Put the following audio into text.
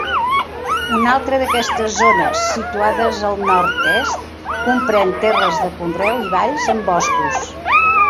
Una altra d'aquestes zones, situada al nord-est, comprèn terres de conreu i valls amb boscos.